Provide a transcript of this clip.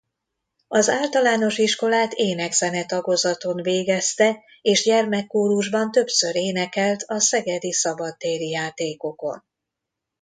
Az általános iskolát ének-zene tagozaton végezte és gyermekkórusban többször énekelt a Szegedi Szabadtéri Játékokon.